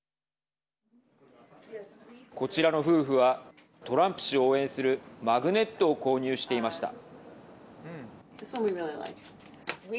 こちらの夫婦はトランプ氏を応援するマグネットを購入していました。